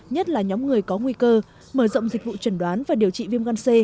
nhất là nhóm người có nguy cơ mở rộng dịch vụ trần đoán và điều trị viêm gan c